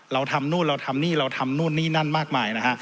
เราทำนู่นเราทำนี่เราทำนู่นนี่นั่นมากมายนะฮะ